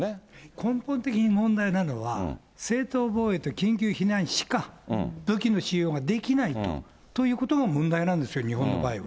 根本的に問題なのは、正当防衛と緊急避難しか武器の使用ができないということが問題なんですよ、日本の場合は。